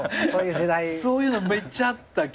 そういうのめっちゃあったけど。